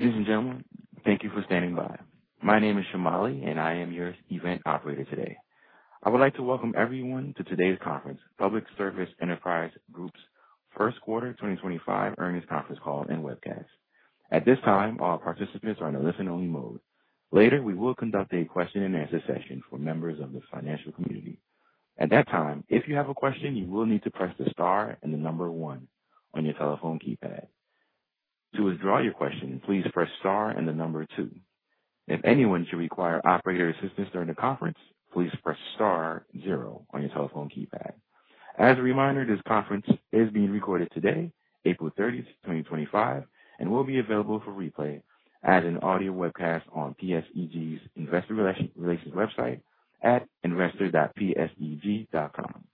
Ladies and gentlemen, thank you for standing by. My name is Shamali, and I am your event operator today. I would like to welcome everyone to today's conference, Public Service Enterprise Group's First Quarter 2025 Earnings Conference Call and Webcast. At this time, all participants are in a listen-only mode. Later, we will conduct a question and answer session for members of the financial community. At that time, if you have a question, you will need to press the star and the number 1 on your telephone keypad. To withdraw your question, please press star and the number 2. If anyone should require operator assistance during the conference, please press star 0 on your telephone keypad. As a reminder, this conference is being recorded today, April 30, 2025, and will be available for replay as an audio webcast on PSEG's Investor Relations website at investor.pseg.com.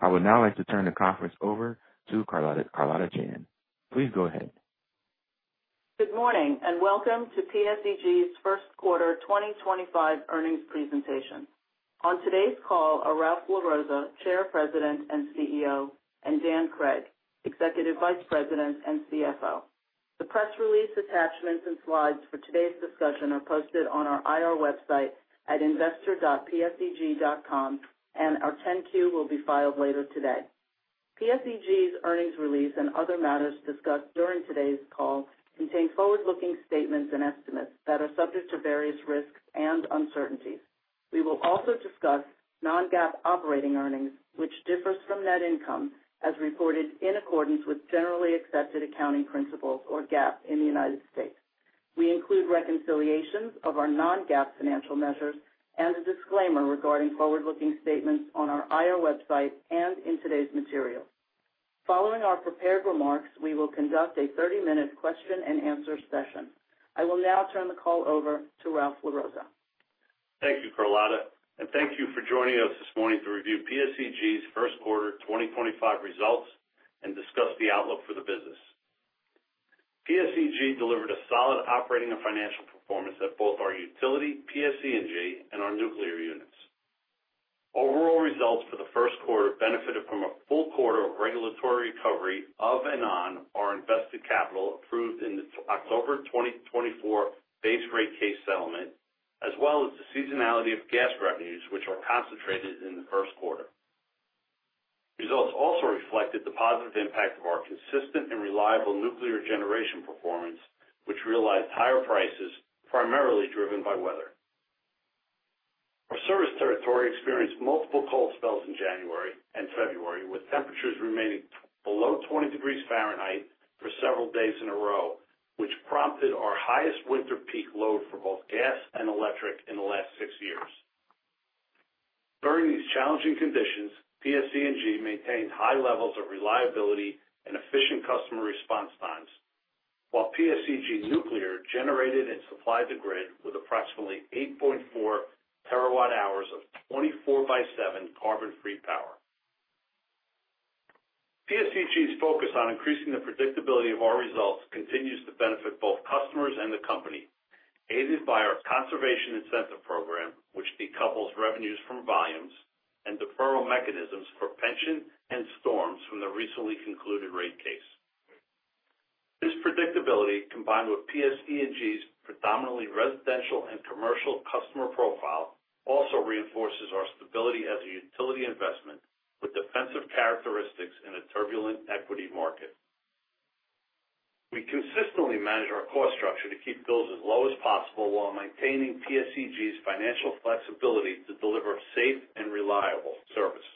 I would now like to turn the conference over to Carlotta Chan. Please go ahead. Good morning and welcome to PSEG's First Quarter 2025 Earnings Presentation. On today's call are Ralph LaRossa, Chair, President, and CEO, and Dan Cregg, Executive Vice President and CFO. The press release, attachments, and slides for today's discussion are posted on our IR website at investor.pseg.com, and our 10-Q will be filed later today. PSEG's earnings release and other matters discussed during today's call contain forward-looking statements and estimates that are subject to various risks and uncertainties. We will also discuss non-GAAP operating earnings, which differs from net income as reported in accordance with Generally Accepted Accounting Principles, or GAAP, in the United States. We include reconciliations of our non-GAAP financial measures and a disclaimer regarding forward-looking statements on our IR website and in today's material. Following our prepared remarks, we will conduct a 30-minute question and answer session. I will now turn the call over to Ralph LaRossa. Thank you, Carlotta, and thank you for joining us this morning to review PSEG's First Quarter 2025 results and discuss the outlook for the business. PSEG delivered a solid operating and financial performance at both our utility, PSE&G, and our nuclear units. Overall results for the first quarter benefited from a full quarter of regulatory recovery of and on our invested capital approved in the October 2024 base rate case settlement, as well as the seasonality of gas revenues, which are concentrated in the first quarter. Results also reflected the positive impact of our consistent and reliable nuclear generation performance, which realized higher prices primarily driven by weather. Our service territory experienced multiple cold spells in January and February, with temperatures remaining below 20 degrees Fahrenheit for several days in a row, which prompted our highest winter peak load for both gas and electric in the last six years. During these challenging conditions, PSE&G maintained high levels of reliability and efficient customer response times, while PSEG Nuclear generated and supplied the grid with approximately 8.4 TWh of 24x7 carbon-free power. PSEG's focus on increasing the predictability of our results continues to benefit both customers and the company, aided by our Conservation Incentive Program, which decouples revenues from volumes and deferral mechanisms for pension and storms from the recently concluded rate case. This predictability, combined with PSE&G's predominantly residential and commercial customer profile, also reinforces our stability as a utility investment with defensive characteristics in a turbulent equity market. We consistently manage our cost structure to keep bills as low as possible while maintaining PSEG's financial flexibility to deliver safe and reliable service.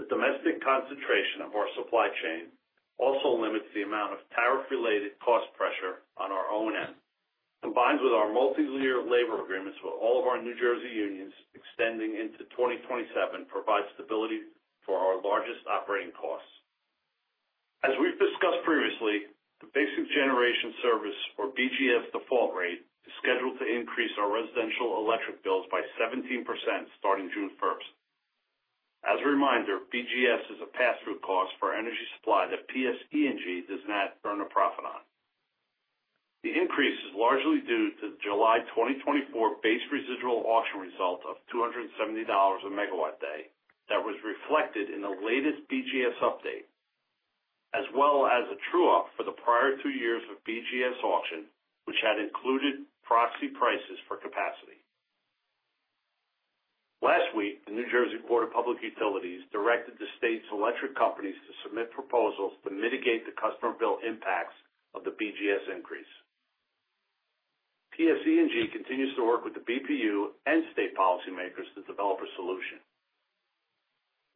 The domestic concentration of our supply chain also limits the amount of tariff-related cost pressure on our own end. Combined with our multi-year labor agreements with all of our New Jersey unions extending into 2027, it provides stability for our largest operating costs. As we've discussed previously, the basic generation service, or BGS, default rate is scheduled to increase our residential electric bills by 17% starting June 1st. As a reminder, BGS is a pass-through cost for energy supply that PSE&G does not earn a profit on. The increase is largely due to the July 2024 base residual auction result of $270 a MW day that was reflected in the latest BGS update, as well as a true-up for the prior two years of BGS auction, which had included proxy prices for capacity. Last week, the New Jersey Board of Public Utilities directed the state's electric companies to submit proposals to mitigate the customer bill impacts of the BGS increase. PSE&G continues to work with the BPU and state policymakers to develop a solution.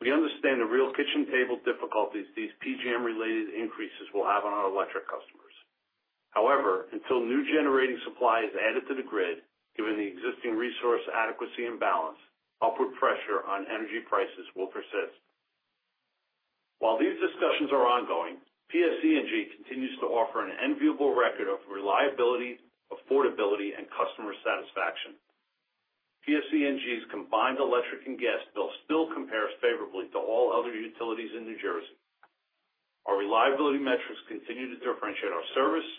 We understand the real kitchen table difficulties these PJM-related increases will have on our electric customers. However, until new generating supply is added to the grid, given the existing resource adequacy and balance, upward pressure on energy prices will persist. While these discussions are ongoing, PSE&G continues to offer an enviable record of reliability, affordability, and customer satisfaction. PSE&G's combined electric and gas bill still compares favorably to all other utilities in New Jersey. Our reliability metrics continue to differentiate our service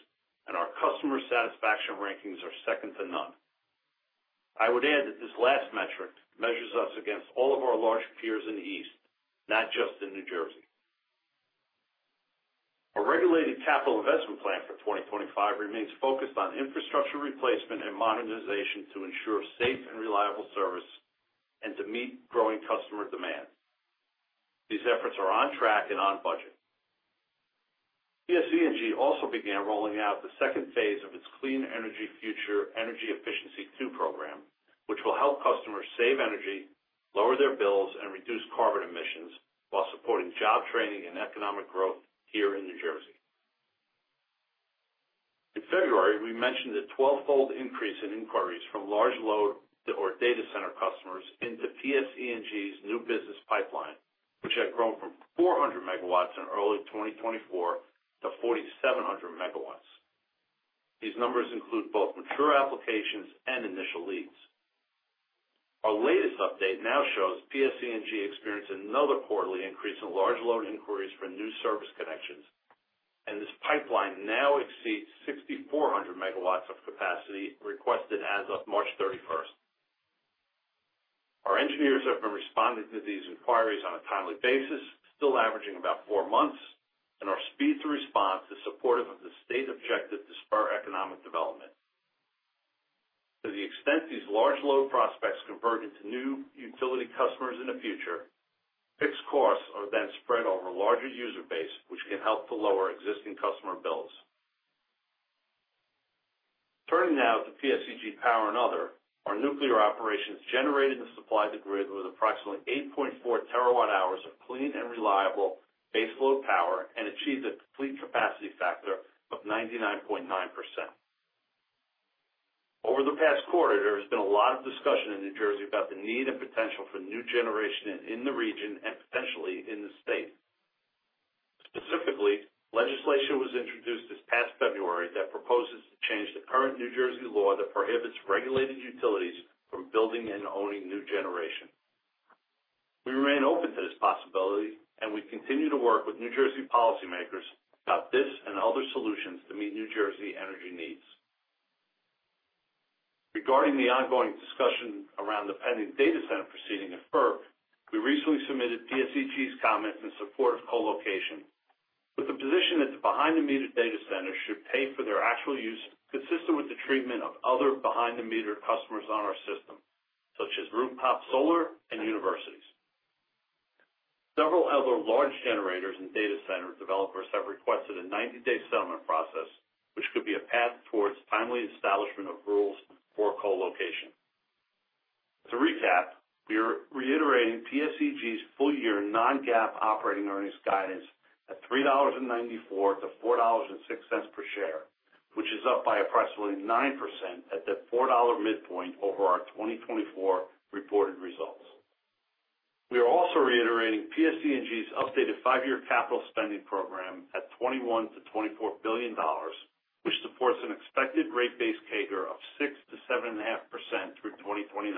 and our customer satisfaction rankings are second to none. I would add that this last metric measures us against all of our large peers in the East, not just in New Jersey. Our regulated capital investment plan for 2025 remains focused on infrastructure replacement and modernization to ensure safe and reliable service and to meet growing customer demand. These efforts are on track and on budget. PSE&G also began rolling out the second phase of its Clean Energy Future Energy Efficiency II program, which will help customers save energy, lower their bills, and reduce carbon emissions while supporting job training and economic growth here in New Jersey. In February, we mentioned the twelve-fold increase in inquiries from large load or data center customers into PSE&G's new business pipeline, which had grown from 400 MW in early 2024 to 4,700 MW. These numbers include both mature applications and initial leads. Our latest update now shows PSE&G experienced another quarterly increase in large load inquiries for new service connections, and this pipeline now exceeds 6,400 MW of capacity requested as of March 31. Our engineers have been responding to these inquiries on a timely basis, still averaging about four months, and our speed to response is supportive of the state objective to spur economic development. To the extent these large load prospects convert into new utility customers in the future, fixed costs are then spread over a larger user base, which can help to lower existing customer bills. Turning now to PSEG Power and Other, our nuclear operations generated and supplied the grid with approximately 8.4 TWh of clean and reliable base load power and achieved a complete capacity factor of 99.9%. Over the past quarter, there has been a lot of discussion in New Jersey about the need and potential for new generation in the region and potentially in the state. Specifically, legislation was introduced this past February that proposes to change the current New Jersey law that prohibits regulated utilities from building and owning new generation. We remain open to this possibility, and we continue to work with New Jersey policymakers about this and other solutions to meet New Jersey energy needs. Regarding the ongoing discussion around the pending data center proceeding at FERC, we recently submitted PSEG's comments in support of co-location, with the position that the behind-the-meter data centers should pay for their actual use consistent with the treatment of other behind-the-meter customers on our system, such as rooftop solar and universities. Several other large generators and data center developers have requested a 90-day settlement process, which could be a path towards timely establishment of rules for co-location. To recap, we are reiterating PSEG's full-year non-GAAP operating earnings guidance at $3.94-$4.06 per share, which is up by approximately 9% at the $4 midpoint over our 2024 reported results. We are also reiterating PSE&G's updated five-year capital spending program at $21 billion-$24 billion, which supports an expected rate-based CAGR of 6%-7.5% through 2029.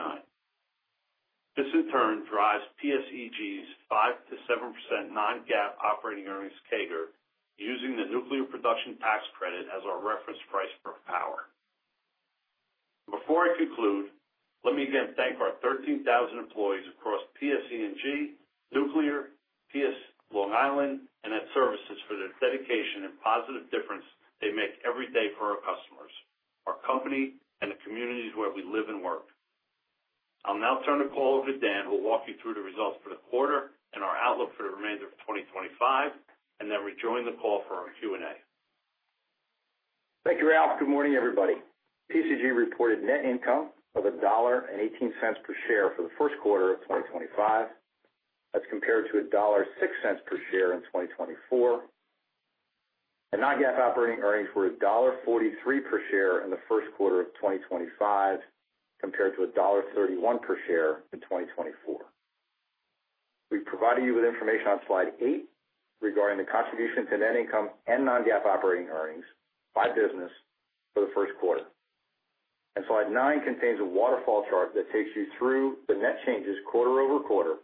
This, in turn, drives PSEG's 5%-7% non-GAAP operating earnings CAGR, using the nuclear production tax credit as our reference price for power. Before I conclude, let me again thank our 13,000 employees across PSE&G, Nuclear, Long Island, and Ed Services for their dedication and positive difference they make every day for our customers, our company, and the communities where we live and work. I'll now turn the call over to Dan, who will walk you through the results for the quarter and our outlook for the remainder of 2025, and then rejoin the call for our Q&A. Thank you, Ralph. Good morning, everybody. PSEG reported net income of $1.18 per share for the first quarter of 2025. That's compared to $1.06 per share in 2024. Non-GAAP operating earnings were $1.43 per share in the first quarter of 2025, compared to $1.31 per share in 2024. We've provided you with information on slide 8 regarding the contributions to net income and non-GAAP operating earnings by business for the first quarter. Slide 9 contains a waterfall chart that takes you through the net changes quarter over quarter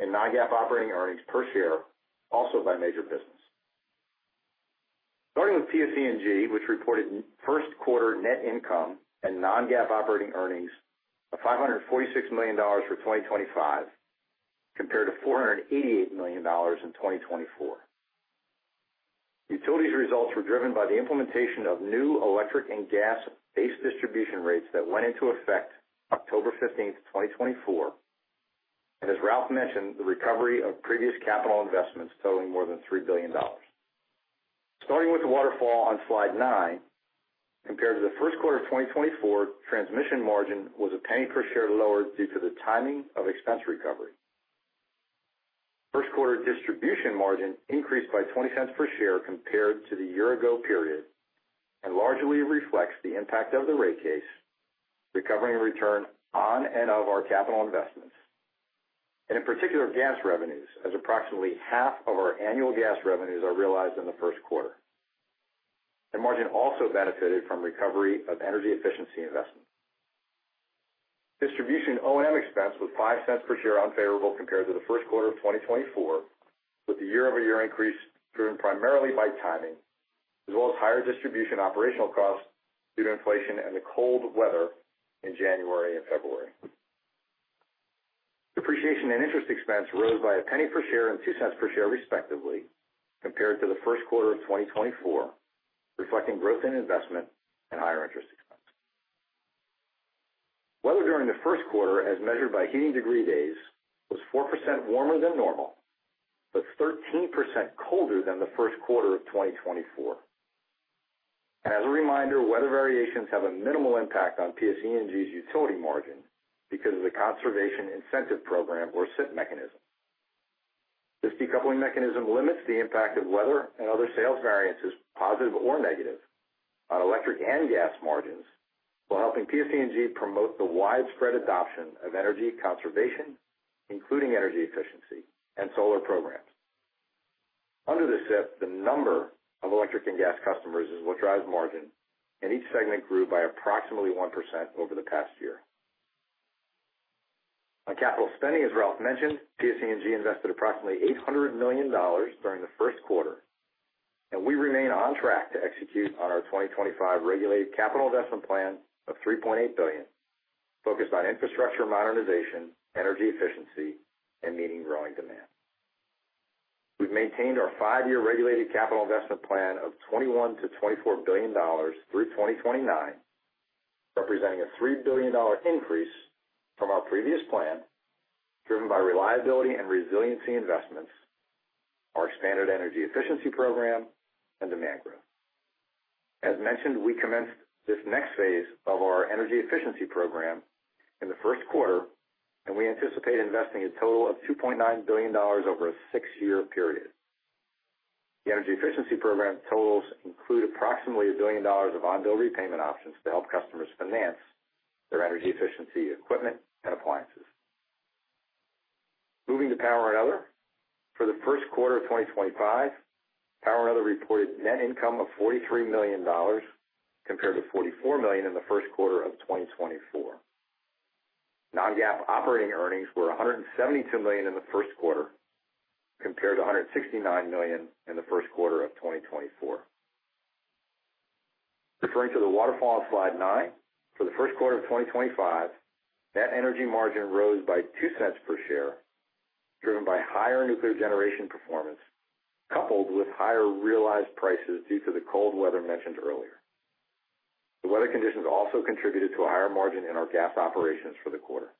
in non-GAAP operating earnings per share, also by major business. Starting with PSE&G, which reported first quarter net income and non-GAAP operating earnings of $546 million for 2025, compared to $488 million in 2024. Utilities results were driven by the implementation of new electric and gas-based distribution rates that went into effect October 15, 2024. As Ralph mentioned, the recovery of previous capital investments totaling more than $3 billion. Starting with the waterfall on slide 9, compared to the first quarter of 2024, transmission margin was a penny per share lower due to the timing of expense recovery. First quarter distribution margin increased by $0.20 per share compared to the year-ago period and largely reflects the impact of the rate case, recovering return on and of our capital investments. In particular, gas revenues, as approximately half of our annual gas revenues are realized in the first quarter. Margin also benefited from recovery of energy efficiency investment. Distribution O&M expense was $0.05 per share unfavorable compared to the first quarter of 2024, with the year-over-year increase driven primarily by timing, as well as higher distribution operational costs due to inflation and the cold weather in January and February. Depreciation and interest expense rose by a penny per share and $0.02 per share, respectively, compared to the first quarter of 2024, reflecting growth in investment and higher interest expense. Weather during the first quarter, as measured by heating degree days, was 4% warmer than normal, but 13% colder than the first quarter of 2024. As a reminder, weather variations have a minimal impact on PSE&G's utility margin because of the Conservation Incentive Program or SIP mechanism. This decoupling mechanism limits the impact of weather and other sales variances, positive or negative, on electric and gas margins, while helping PSE&G promote the widespread adoption of energy conservation, including energy efficiency and solar programs. Under the SIP, the number of electric and gas customers is what drives margin, and each segment grew by approximately 1% over the past year. On capital spending, as Ralph mentioned, PSE&G invested approximately $800 million during the first quarter. We remain on track to execute on our 2025 regulated capital investment plan of $3.8 billion, focused on infrastructure modernization, energy efficiency, and meeting growing demand. We have maintained our five-year regulated capital investment plan of $21-$24 billion through 2029, representing a $3 billion increase from our previous plan, driven by reliability and resiliency investments, our expanded energy efficiency program, and demand growth. As mentioned, we commenced this next phase of our energy efficiency program in the first quarter, and we anticipate investing a total of $2.9 billion over a six-year period. The energy efficiency program totals include approximately $1 billion of on-bill repayment options to help customers finance their energy efficiency equipment and appliances. Moving to Power and Other, for the first quarter of 2025, Power and Other reported net income of $43 million compared to $44 million in the first quarter of 2024. Non-GAAP operating earnings were $172 million in the first quarter, compared to $169 million in the first quarter of 2024. Referring to the waterfall on slide 9, for the first quarter of 2025, net energy margin rose by $0.02 per share, driven by higher nuclear generation performance, coupled with higher realized prices due to the cold weather mentioned earlier. The weather conditions also contributed to a higher margin in our gas operations for the quarter.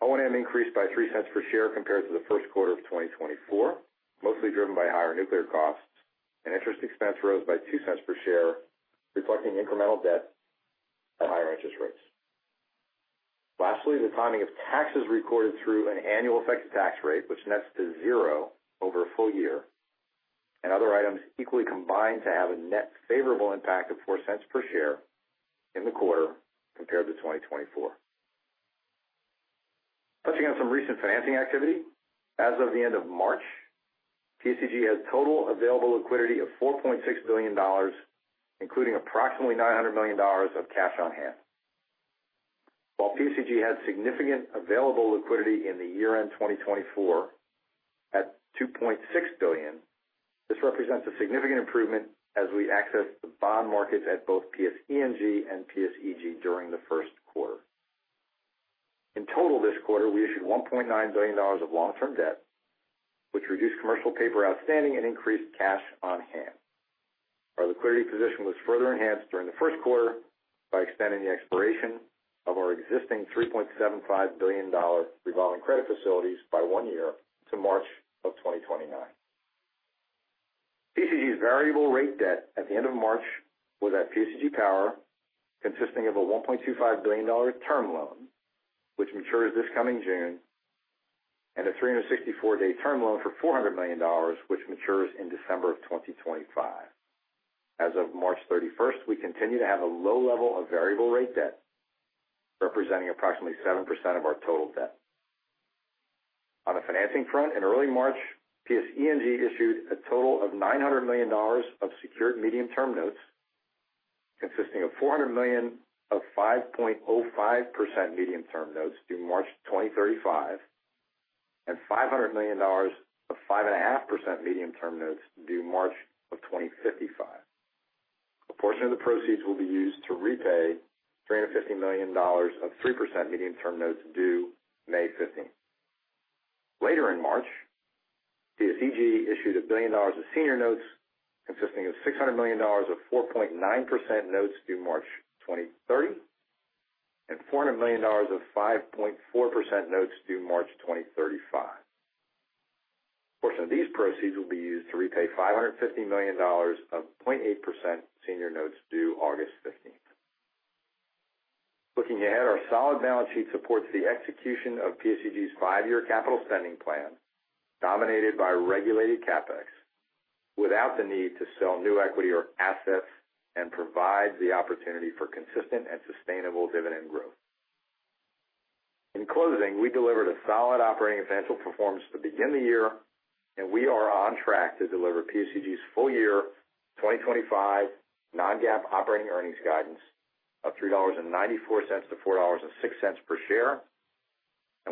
O&M increased by $0.03 per share compared to the first quarter of 2024, mostly driven by higher nuclear costs, and interest expense rose by $0.02 per share, reflecting incremental debt at higher interest rates. Lastly, the timing of taxes recorded through an annual effective tax rate, which nets to zero over a full year, and other items equally combined to have a net favorable impact of $0.04 per share in the quarter compared to 2024. Touching on some recent financing activity, as of the end of March, PSEG had total available liquidity of $4.6 billion, including approximately $900 million of cash on hand. While PSEG had significant available liquidity in the year-end 2024 at $2.6 billion, this represents a significant improvement as we accessed the bond markets at both PSE&G and PSEG during the first quarter. In total this quarter, we issued $1.9 billion of long-term debt, which reduced commercial paper outstanding and increased cash on hand. Our liquidity position was further enhanced during the first quarter by extending the expiration of our existing $3.75 billion revolving credit facilities by one year to March of 2029. PSEG's variable rate debt at the end of March was at PSEG Power, consisting of a $1.25 billion term loan, which matures this coming June, and a 364-day term loan for $400 million, which matures in December of 2025. As of March 31, we continue to have a low level of variable rate debt, representing approximately 7% of our total debt. On the financing front, in early March, PSE&G issued a total of $900 million of secured medium-term notes, consisting of $400 million of 5.05% medium-term notes due March 2035, and $500 million of 5.5% medium-term notes due March of 2055. A portion of the proceeds will be used to repay $350 million of 3% medium-term notes due May 15. Later in March, PSEG issued $1 billion of senior notes, consisting of $600 million of 4.9% notes due March 2030, and $400 million of 5.4% notes due March 2035. A portion of these proceeds will be used to repay $550 million of 0.8% senior notes due August 15. Looking ahead, our solid balance sheet supports the execution of PSEG's five-year capital spending plan, dominated by regulated CapEx, without the need to sell new equity or assets and provides the opportunity for consistent and sustainable dividend growth. In closing, we delivered a solid operating financial performance to begin the year, and we are on track to deliver PSEG's full-year 2025 non-GAAP operating earnings guidance of $3.94-$4.06 per share.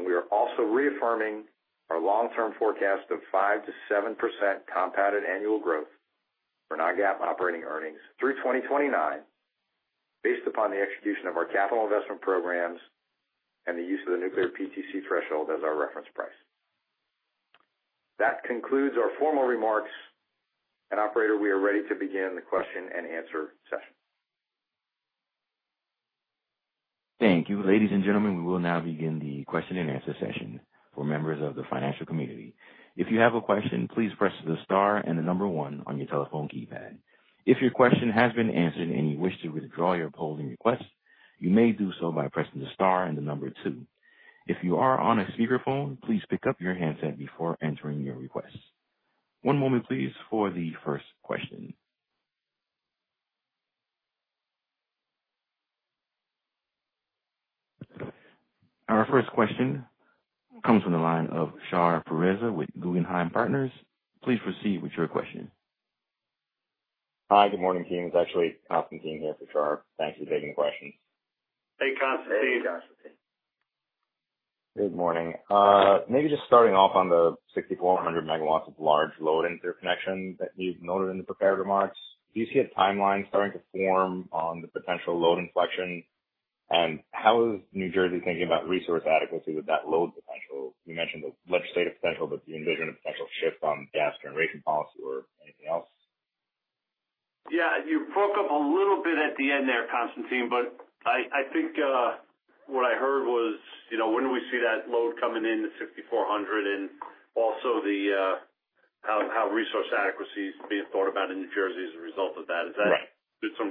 We are also reaffirming our long-term forecast of 5%-7% compounded annual growth for non-GAAP operating earnings through 2029, based upon the execution of our capital investment programs and the use of the nuclear PTC threshold as our reference price. That concludes our formal remarks. Operator, we are ready to begin the question and answer session. Thank you. Ladies and gentlemen, we will now begin the question and answer session for members of the financial community. If you have a question, please press the star and the number one on your telephone keypad. If your question has been answered and you wish to withdraw your polling request, you may do so by pressing the star and the number two. If you are on a speakerphone, please pick up your handset before entering your request. One moment, please, for the first question. Our first question comes from the line of Shar Pourreza with Guggenheim Partners. Please proceed with your question. Hi, good morning, team. It's actually Coffin Team here for Char. Thanks for taking the questions. Hey, Coffin. Hey, Josh. Good morning. Maybe just starting off on the 6,400 MW of large load interconnection that you've noted in the prepared remarks, do you see a timeline starting to form on the potential load inflection? How is New Jersey thinking about resource adequacy with that load potential? You mentioned the legislative potential, but do you envision a potential shift on gas generation policy or anything else? Yeah, you broke up a little bit at the end there, Constantine, but I think what I heard was, when do we see that load coming in, the 6,400, and also how resource adequacy is being thought about in New Jersey as a result of that? Is that? Right.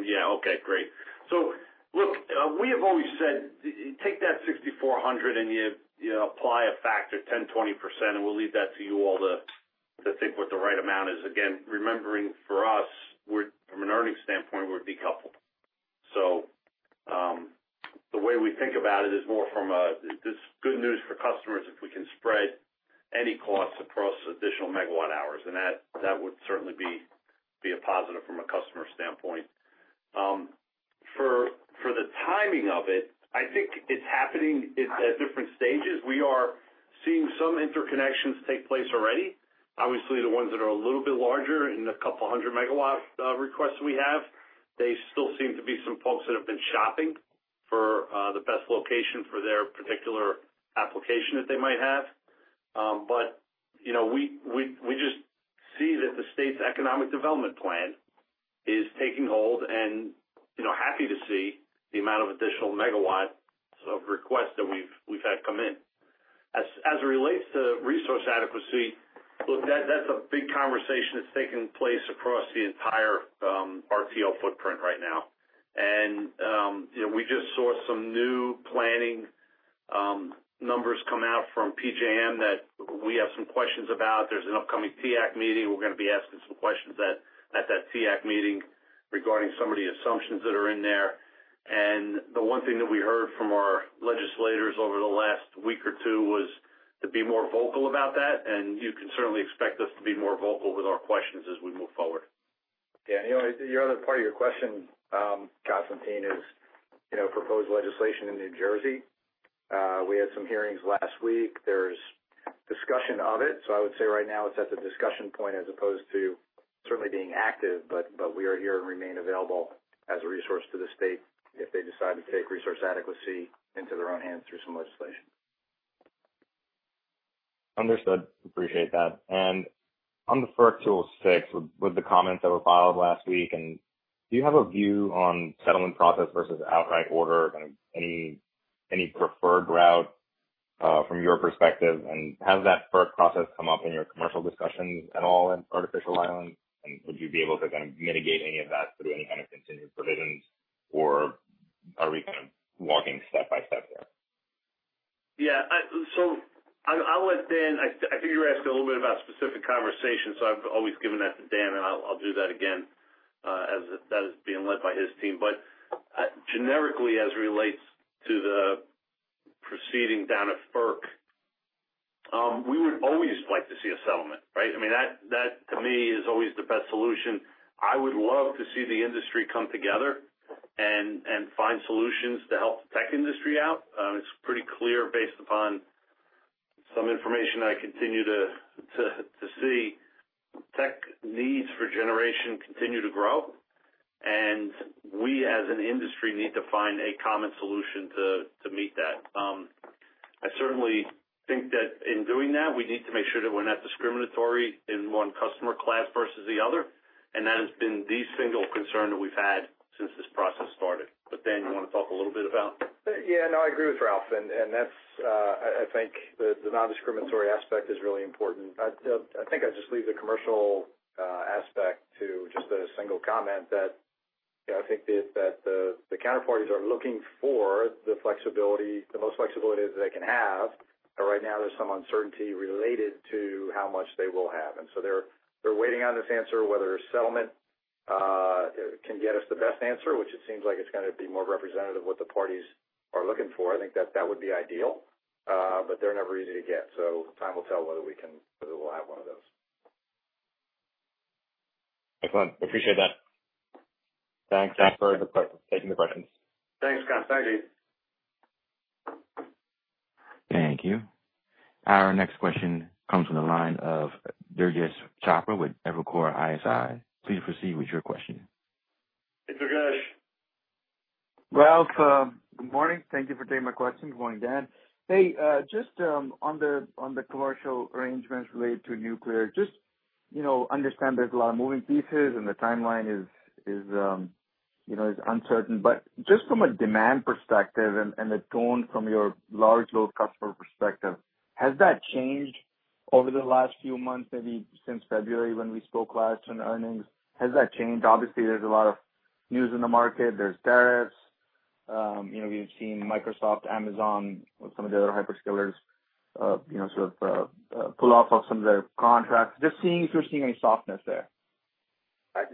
Yeah, okay, great. Look, we have always said, take that 6,400 and apply a factor, 10%-20%, and we'll leave that to you all to think what the right amount is. Again, remembering for us, from an earnings standpoint, we're decoupled. The way we think about it is more from this good news for customers if we can spread any costs across additional MWh. That would certainly be a positive from a customer standpoint. For the timing of it, I think it's happening at different stages. We are seeing some interconnections take place already. Obviously, the ones that are a little bit larger in the couple hundred MW requests we have, there still seem to be some folks that have been shopping for the best location for their particular application that they might have. We just see that the state's economic development plan is taking hold and happy to see the amount of additional MW of requests that we've had come in. As it relates to resource adequacy, look, that's a big conversation that's taking place across the entire RTO footprint right now. We just saw some new planning numbers come out from PJM that we have some questions about. There's an upcoming TIAC meeting. We're going to be asking some questions at that TIAC meeting regarding some of the assumptions that are in there. The one thing that we heard from our legislators over the last week or two was to be more vocal about that. You can certainly expect us to be more vocal with our questions as we move forward. Daniel, your other part of your question, Constantine, is proposed legislation in New Jersey. We had some hearings last week. There is discussion of it. I would say right now it is at the discussion point as opposed to certainly being active, but we are here and remain available as a resource to the state if they decide to take resource adequacy into their own hands through some legislation. Understood. Appreciate that. On the FERC 206, with the comments that were filed last week, do you have a view on settlement process versus outright order, any preferred route from your perspective? Has that FERC process come up in your commercial discussions at all at Artificial Island? Would you be able to kind of mitigate any of that through any kind of continued provisions, or are we kind of walking step by step there? Yeah. I'll let Dan, I think you were asking a little bit about specific conversation, so I've always given that to Dan, and I'll do that again as that is being led by his team. Generically, as it relates to the proceeding down at FERC, we would always like to see a settlement, right? I mean, that to me is always the best solution. I would love to see the industry come together and find solutions to help the tech industry out. It's pretty clear based upon some information I continue to see. Tech needs for generation continue to grow. We, as an industry, need to find a common solution to meet that. I certainly think that in doing that, we need to make sure that we're not discriminatory in one customer class versus the other. That has been the single concern that we've had since this process started. Dan, you want to talk a little bit about? Yeah, no, I agree with Ralph. I think the non-discriminatory aspect is really important. I just leave the commercial aspect to just a single comment that I think that the counterparties are looking for the most flexibility that they can have. Right now, there's some uncertainty related to how much they will have. They're waiting on this answer, whether settlement can get us the best answer, which it seems like it's going to be more representative of what the parties are looking for. I think that that would be ideal, but they're never easy to get. Time will tell whether we'll have one of those. Excellent. Appreciate that. Thanks for taking the questions. Thanks, Coffin. Thank you. Thank you. Our next question comes from the line of Durgesh Chopra with Evercore ISI. Please proceed with your question. Hey, Durgesh. Ralph, good morning. Thank you for taking my question. Good morning, Dan. Hey, just on the commercial arrangements related to nuclear, just understand there's a lot of moving pieces and the timeline is uncertain. Just from a demand perspective and a tone from your large load customer perspective, has that changed over the last few months, maybe since February when we spoke last on earnings? Has that changed? Obviously, there's a lot of news in the market. There's tariffs. We've seen Microsoft, Amazon, some of the other hyperscalers sort of pull off of some of their contracts. Just seeing if you're seeing any softness there.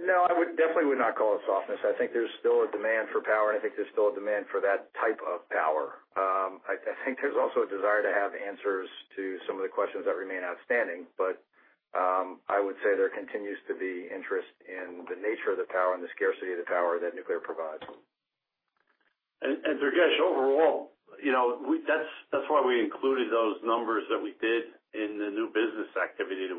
No, I definitely would not call it softness. I think there's still a demand for power, and I think there's still a demand for that type of power. I think there's also a desire to have answers to some of the questions that remain outstanding. I would say there continues to be interest in the nature of the power and the scarcity of the power that nuclear provides. Durgesh, overall, that's why we included those numbers that we did in the new business activity that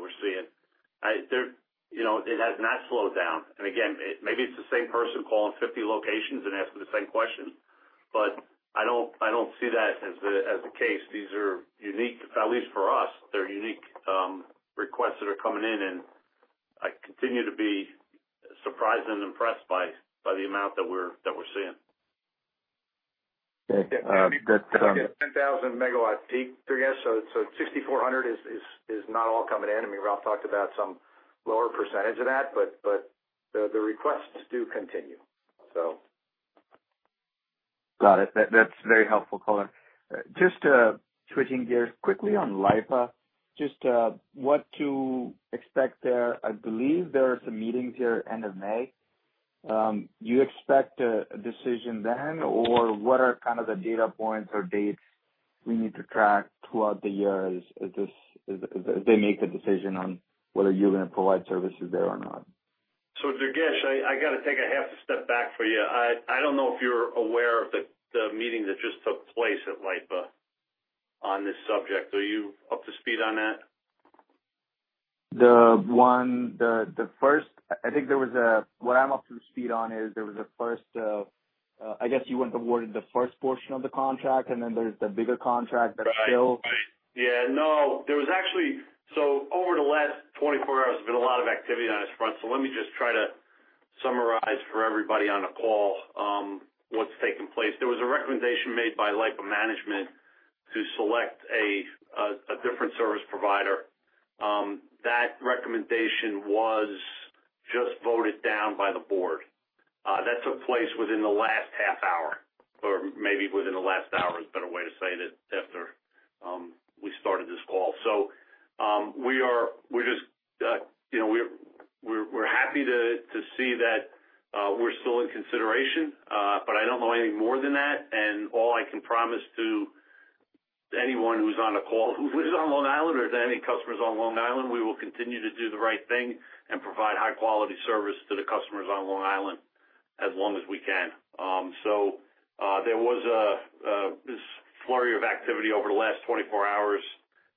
we're seeing. It has not slowed down. Again, maybe it's the same person calling 50 locations and asking the same questions, but I don't see that as the case. These are unique, at least for us, they're unique requests that are coming in. I continue to be surprised and impressed by the amount that we're seeing. Good. 10,000 MW peak, Durgesh. 6,400 is not all coming in. I mean, Ralph talked about some lower percentage of that, but the requests do continue. Got it. That's very helpful color. Just switching gears quickly on LIPA, just what to expect there. I believe there are some meetings here at the end of May. Do you expect a decision then, or what are kind of the data points or dates we need to track throughout the year as they make the decision on whether you're going to provide services there or not? Durgesh, I got to take a half a step back for you. I don't know if you're aware of the meeting that just took place at LIPA on this subject. Are you up to speed on that? The first, I think there was a what I'm up to speed on is there was a first, I guess you went toward the first portion of the contract, and then there's the bigger contract that's still. Right. Right. Yeah. No, there was actually, over the last 24 hours, there's been a lot of activity on this front. Let me just try to summarize for everybody on a call what's taking place. There was a recommendation made by LIPA Management to select a different service provider. That recommendation was just voted down by the board. That took place within the last half hour, or maybe within the last hour is a better way to say it after we started this call. We're just happy to see that we're still in consideration, but I don't know any more than that. All I can promise to anyone who's on a call who lives on Long Island or to any customers on Long Island, we will continue to do the right thing and provide high-quality service to the customers on Long Island as long as we can. There was this flurry of activity over the last 24 hours,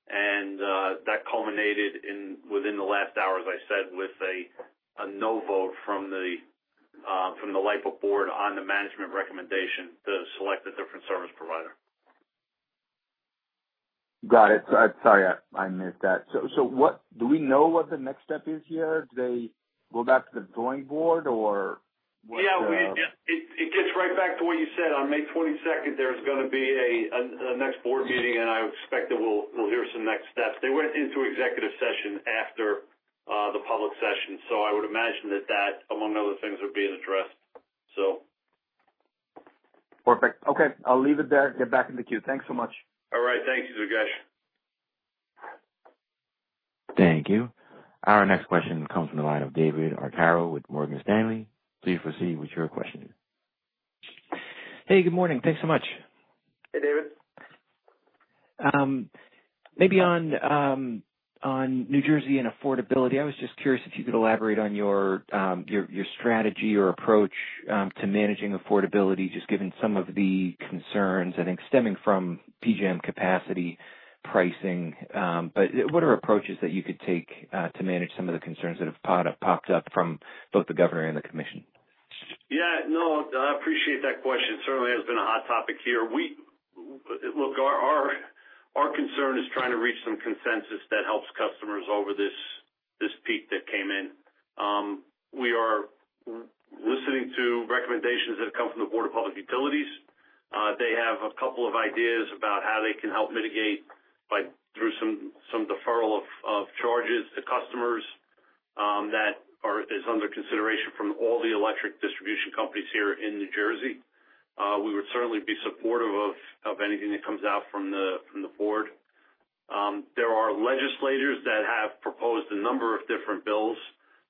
and that culminated within the last hour, as I said, with a no vote from the LIPA board on the management recommendation to select a different service provider. Got it. Sorry, I missed that. Do we know what the next step is here? Do they go back to the drawing board, or what happens? Yeah, it gets right back to what you said. On May 22nd, there's going to be a next board meeting, and I expect that we'll hear some next steps. They went into executive session after the public session. I would imagine that that, among other things, would be addressed. Perfect. Okay. I'll leave it there. Get back in the queue. Thanks so much. All right. Thank you, Durgesh. Thank you. Our next question comes from the line of David Arcaro with Morgan Stanley. Please proceed with your question. Hey, good morning. Thanks so much. Hey, David. Maybe on New Jersey and affordability, I was just curious if you could elaborate on your strategy or approach to managing affordability, just given some of the concerns, I think, stemming from PJM capacity pricing. What are approaches that you could take to manage some of the concerns that have popped up from both the governor and the commission? Yeah. No, I appreciate that question. Certainly, it has been a hot topic here. Look, our concern is trying to reach some consensus that helps customers over this peak that came in. We are listening to recommendations that have come from the Board of Public Utilities. They have a couple of ideas about how they can help mitigate through some deferral of charges to customers that is under consideration from all the electric distribution companies here in New Jersey. We would certainly be supportive of anything that comes out from the board. There are legislators that have proposed a number of different bills.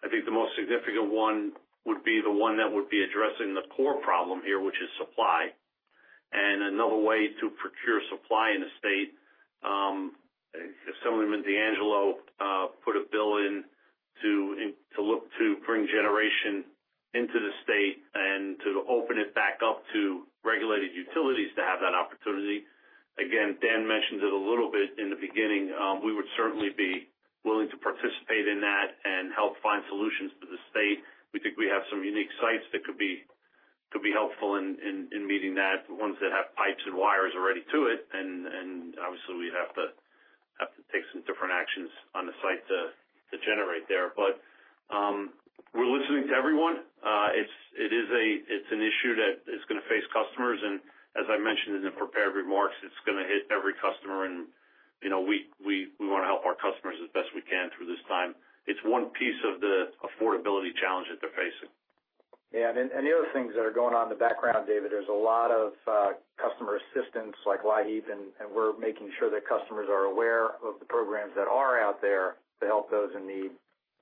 I think the most significant one would be the one that would be addressing the core problem here, which is supply. Another way to procure supply in the state, if someone in DeAngelo put a bill in to look to bring generation into the state and to open it back up to regulated utilities to have that opportunity. Again, Dan mentioned it a little bit in the beginning. We would certainly be willing to participate in that and help find solutions for the state. We think we have some unique sites that could be helpful in meeting that, the ones that have pipes and wires already to it. Obviously, we'd have to take some different actions on the site to generate there. We're listening to everyone. It's an issue that is going to face customers. As I mentioned in the prepared remarks, it's going to hit every customer. We want to help our customers as best we can through this time. It's one piece of the affordability challenge that they're facing. Yeah. The other things that are going on in the background, David, there's a lot of customer assistance like LIHEAP, and we're making sure that customers are aware of the programs that are out there to help those in need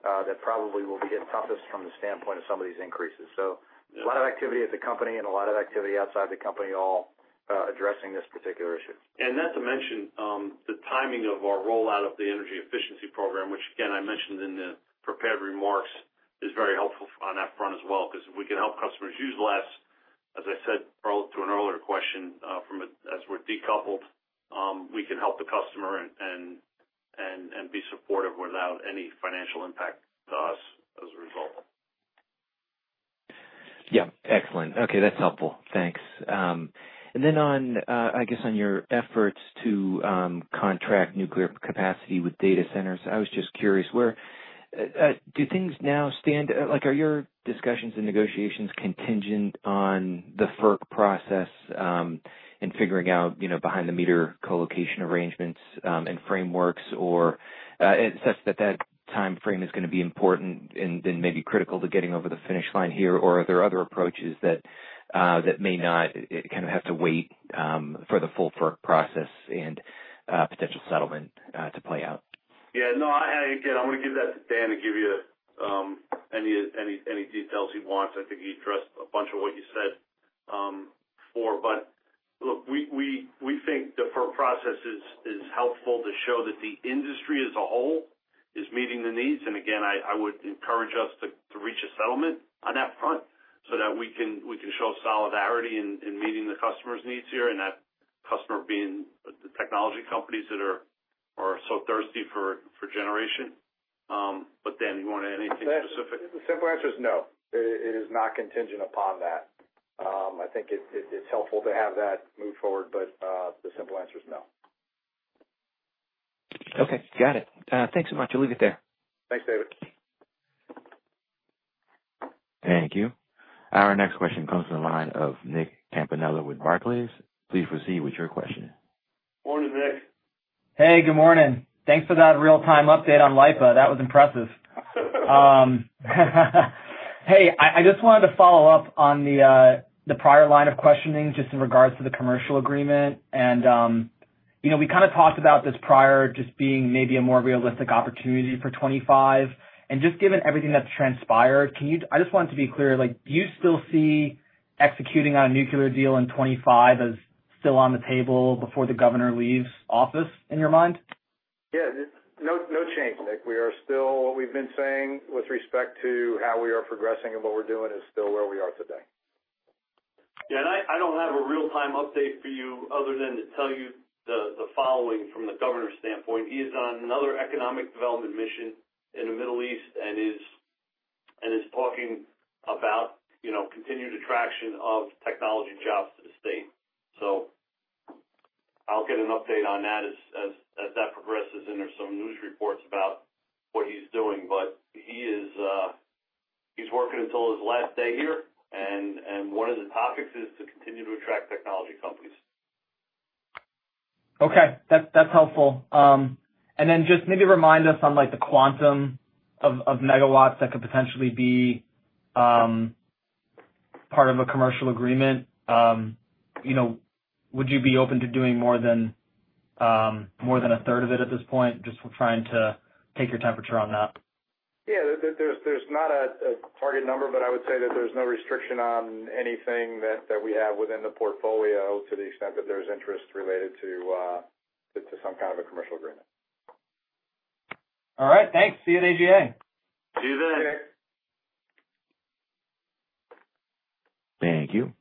that probably will be hit toughest from the standpoint of some of these increases. A lot of activity at the company and a lot of activity outside the company all addressing this particular issue. Not to mention the timing of our rollout of the energy efficiency program, which, again, I mentioned in the prepared remarks, is very helpful on that front as well because we can help customers use less. As I said, to an earlier question, as we're decoupled, we can help the customer and be supportive without any financial impact to us as a result. Yeah. Excellent. Okay. That's helpful. Thanks. On your efforts to contract nuclear capacity with data centers, I was just curious, do things now stand? Are your discussions and negotiations contingent on the FERC process and figuring out behind-the-meter colocation arrangements and frameworks, or such that that timeframe is going to be important and then maybe critical to getting over the finish line here? Are there other approaches that may not kind of have to wait for the full FERC process and potential settlement to play out? Yeah. No, again, I'm going to give that to Dan to give you any details he wants. I think he addressed a bunch of what you said before. Look, we think the FERC process is helpful to show that the industry as a whole is meeting the needs. I would encourage us to reach a settlement on that front so that we can show solidarity in meeting the customer's needs here and that customer being the technology companies that are so thirsty for generation. Dan, you want anything specific? The simple answer is no. It is not contingent upon that. I think it's helpful to have that move forward, but the simple answer is no. Okay. Got it. Thanks so much. I'll leave it there. Thanks, David. Thank you. Our next question comes from the line of Nick Campanella with Barclays. Please proceed with your question. Morning, Nick. Hey, good morning. Thanks for that real-time update on LIPA. That was impressive. I just wanted to follow up on the prior line of questioning just in regards to the commercial agreement. We kind of talked about this prior just being maybe a more realistic opportunity for '25. Just given everything that's transpired, I just wanted to be clear, do you still see executing on a nuclear deal in '25 as still on the table before the Governor leaves office in your mind? Yeah. No change, Nick. We are still what we've been saying with respect to how we are progressing and what we're doing is still where we are today. Yeah. I don't have a real-time update for you other than to tell you the following from the Governor's standpoint. He is on another economic development mission in the Middle East and is talking about continued attraction of technology jobs to the state. I'll get an update on that as that progresses and there are some news reports about what he's doing. He's working until his last day here. One of the topics is to continue to attract technology companies. Okay. That's helpful. Just maybe remind us on the quantum of MW that could potentially be part of a commercial agreement. Would you be open to doing more than a third of it at this point? Just trying to take your temperature on that. Yeah. There's not a target number, but I would say that there's no restriction on anything that we have within the portfolio to the extent that there's interest related to some kind of a commercial agreement. All right. Thanks. See you at AGA. See you then. Thank you.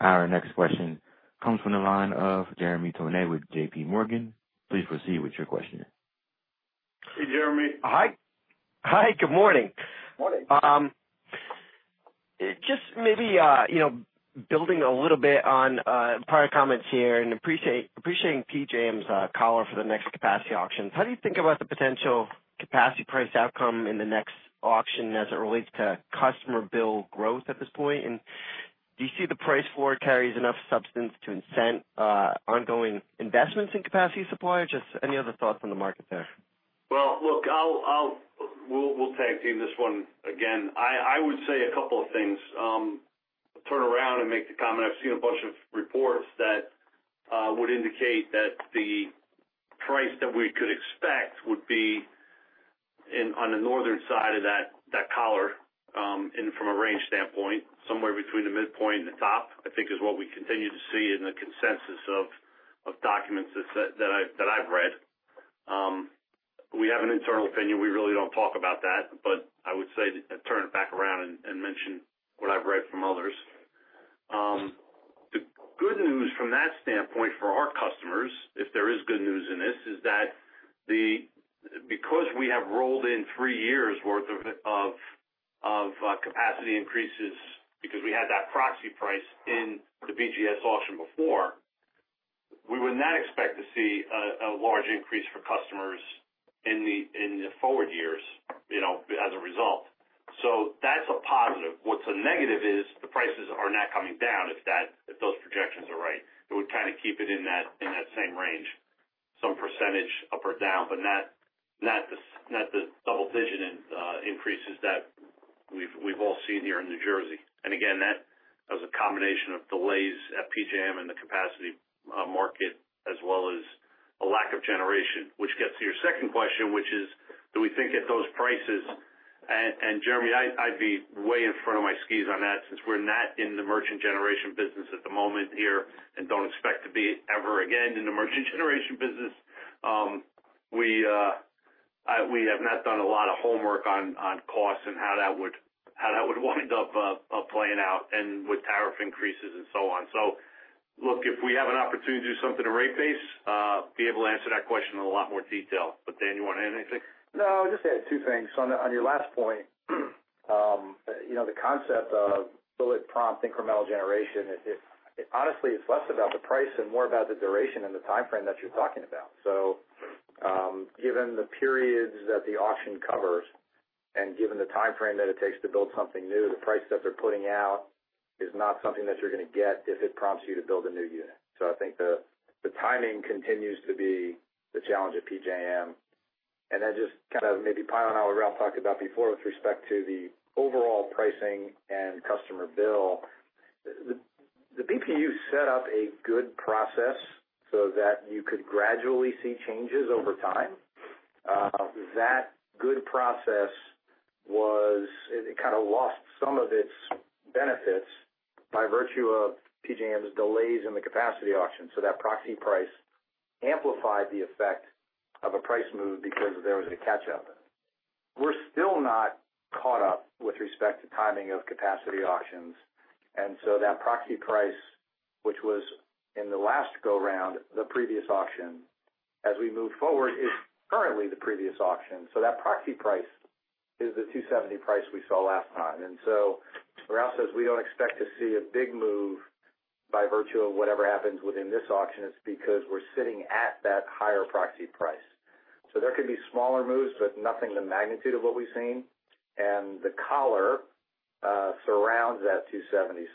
Our next question comes from the line of Jeremy Tonet with JP Morgan. Please proceed with your question. Hey, Jeremy. Hi. Good morning. Morning. Just maybe building a little bit on prior comments here and appreciating PJM's call for the next capacity auctions. How do you think about the potential capacity price outcome in the next auction as it relates to customer bill growth at this point? Do you see the price floor carries enough substance to incent ongoing investments in capacity supply or just any other thoughts on the market there? Look, we'll tag team this one again. I would say a couple of things. Turn around and make the comment. I've seen a bunch of reports that would indicate that the price that we could expect would be on the northern side of that collar from a range standpoint, somewhere between the midpoint and the top, I think, is what we continue to see in the consensus of documents that I've read. We have an internal opinion. We really don't talk about that, but I would say turn it back around and mention what I've read from others. The good news from that standpoint for our customers, if there is good news in this, is that because we have rolled in three years' worth of capacity increases because we had that proxy price in the BGS auction before, we would not expect to see a large increase for customers in the forward years as a result. That's a positive. What's a negative is the prices are not coming down if those projections are right. It would kind of keep it in that same range, some percentage up or down, but not the double-digit increases that we've all seen here in New Jersey. That was a combination of delays at PJM and the capacity market as well as a lack of generation, which gets to your second question, which is, do we think at those prices? Jeremy, I'd be way in front of my skis on that since we're not in the merchant generation business at the moment here and don't expect to be ever again in the merchant generation business. We have not done a lot of homework on costs and how that would wind up playing out with tariff increases and so on. Look, if we have an opportunity to do something to rate base, be able to answer that question in a lot more detail. Dan, you want to add anything? No, I'll just add two things. On your last point, the concept of bullet-prompt incremental generation, honestly, it's less about the price and more about the duration and the timeframe that you're talking about. Given the periods that the auction covers and given the timeframe that it takes to build something new, the price that they're putting out is not something that you're going to get if it prompts you to build a new unit. I think the timing continues to be the challenge at PJM. Just kind of maybe piling on what Ralph talked about before with respect to the overall pricing and customer bill, the BPU set up a good process so that you could gradually see changes over time. That good process, it kind of lost some of its benefits by virtue of PJM's delays in the capacity auction. That proxy price amplified the effect of a price move because there was a catch-up. We're still not caught up with respect to timing of capacity auctions. That proxy price, which was in the last go-round, the previous auction, as we move forward, is currently the previous auction. That proxy price is the $270 price we saw last time. Ralph says we don't expect to see a big move by virtue of whatever happens within this auction. It's because we're sitting at that higher proxy price. There could be smaller moves, but nothing the magnitude of what we've seen. The collar surrounds that $270.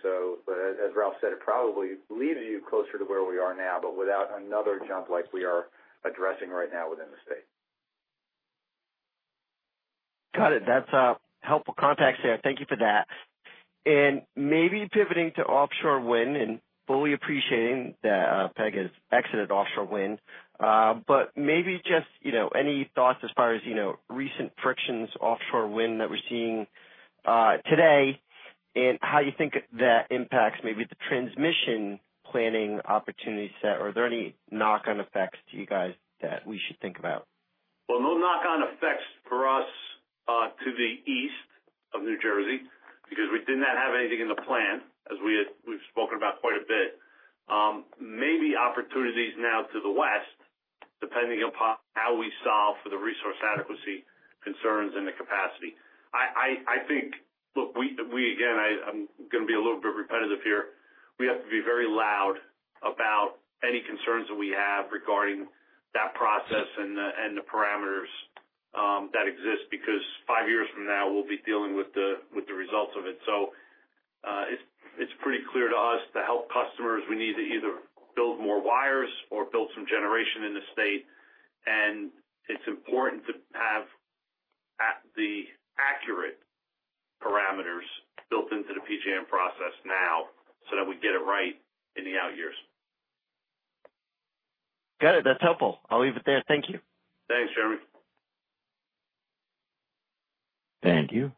As Ralph said, it probably leads you closer to where we are now, but without another jump like we are addressing right now within the state. Got it. That's helpful context there. Thank you for that. Maybe pivoting to offshore wind and fully appreciating that PSEG has exited offshore wind, but maybe just any thoughts as far as recent frictions offshore wind that we're seeing today and how you think that impacts maybe the transmission planning opportunities set? Are there any knock-on effects to you guys that we should think about? No knock-on effects for us to the east of New Jersey because we did not have anything in the plan, as we've spoken about quite a bit. Maybe opportunities now to the west, depending upon how we solve for the resource adequacy concerns and the capacity. I think, look, again, I'm going to be a little bit repetitive here. We have to be very loud about any concerns that we have regarding that process and the parameters that exist because five years from now, we'll be dealing with the results of it. It's pretty clear to us to help customers. We need to either build more wires or build some generation in the state. It's important to have the accurate parameters built into the PJM process now so that we get it right in the out years. Got it. That's helpful. I'll leave it there. Thank you. Thanks, Jeremy. Thank you.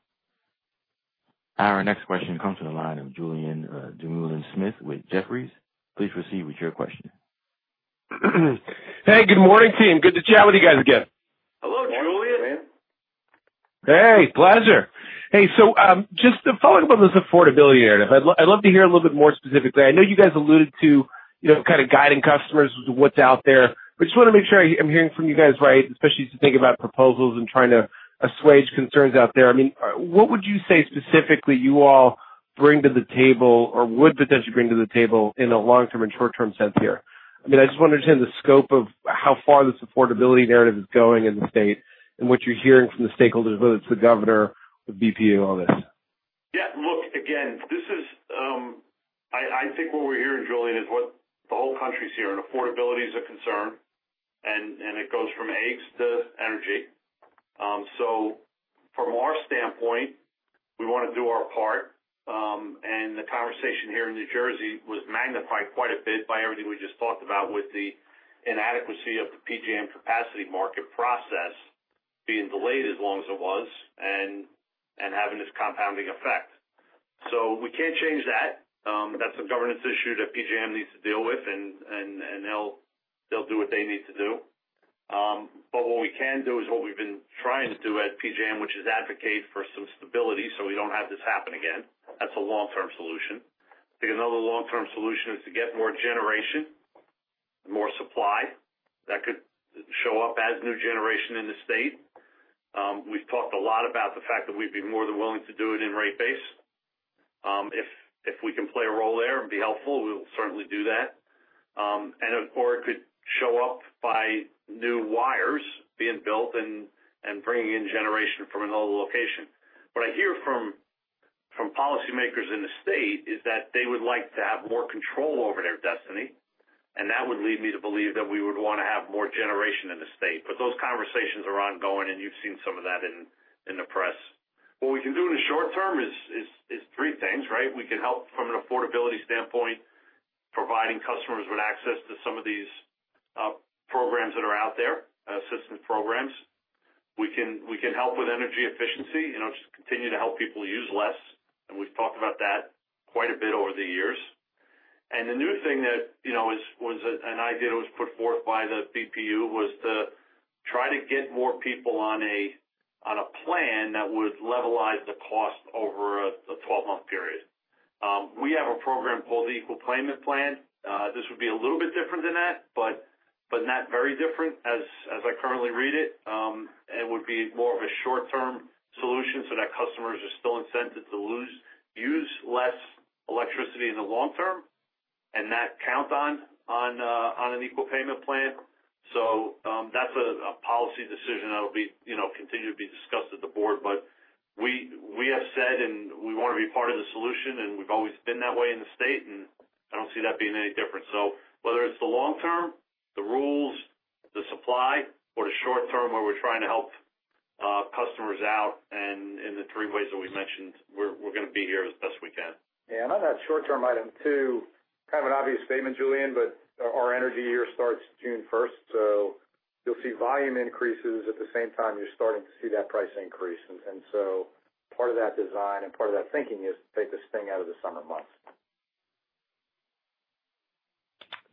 Our next question comes from the line of Julien Dumoulin-Smith with Jefferies. Please proceed with your question. Hey, good morning, team. Good to chat with you guys again. Hello, Julien. Hey, pleasure. Hey, just following up on this affordability area, I'd love to hear a little bit more specifically. I know you guys alluded to kind of guiding customers with what's out there, but just want to make sure I'm hearing from you guys right, especially to think about proposals and trying to assuage concerns out there. I mean, what would you say specifically you all bring to the table or would potentially bring to the table in a long-term and short-term sense here? I mean, I just want to understand the scope of how far this affordability narrative is going in the state and what you're hearing from the stakeholders, whether it's the governor, the BPU, all this. Yeah. Look, again, I think what we're hearing, Julien, is what the whole country is here. Affordability is a concern. It goes from eggs to energy. From our standpoint, we want to do our part. The conversation here in New Jersey was magnified quite a bit by everything we just talked about with the inadequacy of the PJM capacity market process being delayed as long as it was and having this compounding effect. We can't change that. That is a governance issue that PJM needs to deal with, and they'll do what they need to do. What we can do is what we've been trying to do at PJM, which is advocate for some stability so we don't have this happen again. That is a long-term solution. I think another long-term solution is to get more generation, more supply that could show up as new generation in the state. We've talked a lot about the fact that we'd be more than willing to do it in rate base. If we can play a role there and be helpful, we'll certainly do that. It could show up by new wires being built and bringing in generation from another location. What I hear from policymakers in the state is that they would like to have more control over their destiny. That would lead me to believe that we would want to have more generation in the state. Those conversations are ongoing, and you've seen some of that in the press. What we can do in the short term is three things, right? We can help from an affordability standpoint, providing customers with access to some of these programs that are out there, assistance programs. We can help with energy efficiency, just continue to help people use less. We have talked about that quite a bit over the years. The new thing that was an idea that was put forth by the BPU was to try to get more people on a plan that would levelize the cost over a 12-month period. We have a program called the Equal Payment Plan. This would be a little bit different than that, but not very different as I currently read it. It would be more of a short-term solution so that customers are still incented to use less electricity in the long term and not count on an equal payment plan. That's a policy decision that will continue to be discussed at the board. We have said, and we want to be part of the solution, and we've always been that way in the state, and I don't see that being any different. Whether it's the long term, the rules, the supply, or the short term where we're trying to help customers out in the three ways that we mentioned, we're going to be here as best we can. Yeah. On that short-term item too, kind of an obvious statement, Julien, but our energy year starts June 1. You will see volume increases at the same time you are starting to see that price increase. Part of that design and part of that thinking is to take this thing out of the summer months.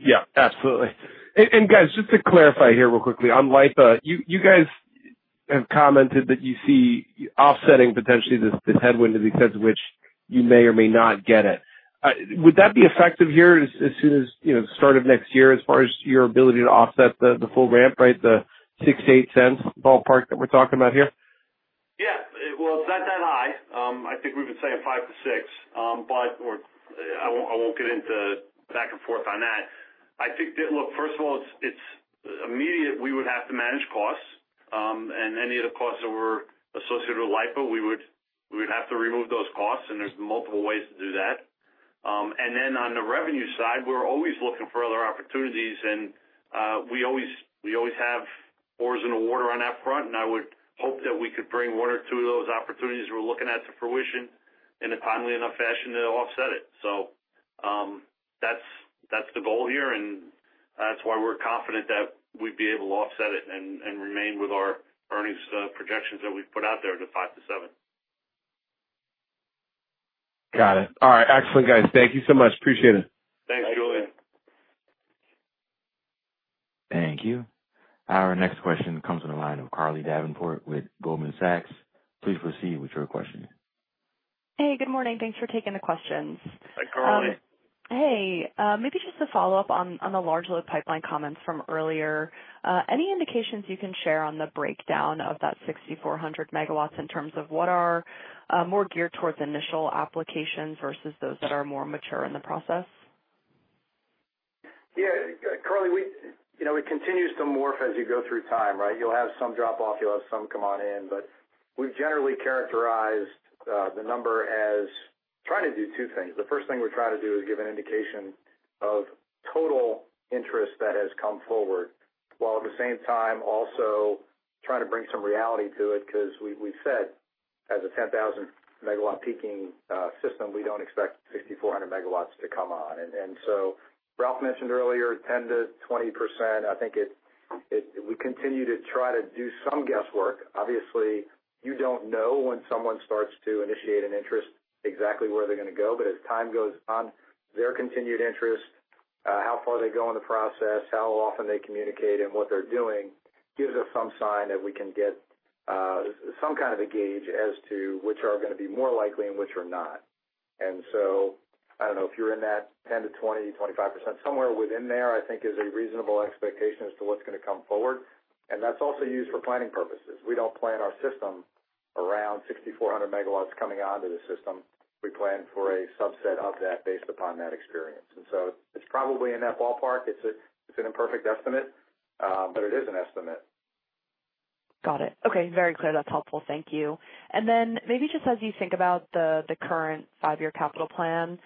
Yeah. Absolutely. Just to clarify here real quickly, on LIPA, you guys have commented that you see offsetting potentially this headwind to the extent to which you may or may not get it. Would that be effective here as soon as start of next year as far as your ability to offset the full ramp, right, the $0.06-$0.08 ballpark that we're talking about here? Yeah. It is not that high. I think we have been saying 5-6, but I will not get into back and forth on that. I think, look, first of all, it is immediate. We would have to manage costs. Any of the costs that were associated with LIPA, we would have to remove those costs. There are multiple ways to do that. On the revenue side, we are always looking for other opportunities. We always have oars in the water on that front. I would hope that we could bring one or two of those opportunities we are looking at to fruition in a timely enough fashion to offset it. That is the goal here. That is why we are confident that we would be able to offset it and remain with our earnings projections that we have put out there to 5-7. Got it. All right. Excellent, guys. Thank you so much. Appreciate it. Thanks, Julien. Thank you. Our next question comes from the line of Carly Davenport with Goldman Sachs. Please proceed with your question. Hey, good morning. Thanks for taking the questions. Hi, Carly. Hey. Maybe just to follow up on the large load pipeline comments from earlier, any indications you can share on the breakdown of that 6,400 MW in terms of what are more geared towards initial applications versus those that are more mature in the process? Yeah. Carly, it continues to morph as you go through time, right? You'll have some drop off. You'll have some come on in. But we've generally characterized the number as trying to do two things. The first thing we're trying to do is give an indication of total interest that has come forward, while at the same time also trying to bring some reality to it because we've said as a 10,000 MW peaking system, we don't expect 6,400 MW to come on. Ralph mentioned earlier, 10%-20%. I think we continue to try to do some guesswork. Obviously, you don't know when someone starts to initiate an interest exactly where they're going to go. As time goes on, their continued interest, how far they go in the process, how often they communicate, and what they're doing gives us some sign that we can get some kind of a gauge as to which are going to be more likely and which are not. I don't know. If you're in that 10-20, 25% range, somewhere within there, I think, is a reasonable expectation as to what's going to come forward. That's also used for planning purposes. We don't plan our system around 6,400 MW coming onto the system. We plan for a subset of that based upon that experience. It's probably in that ballpark. It's an imperfect estimate, but it is an estimate. Got it. Okay. Very clear. That's helpful. Thank you. Maybe just as you think about the current five-year capital plan,